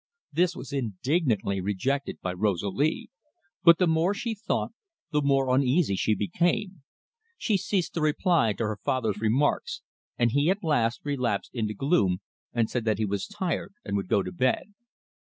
This was indignantly rejected by Rosalie, but the more she thought, the more uneasy she became. She ceased to reply to her father's remarks, and he at last relapsed into gloom, and said that he was tired and would go to bed.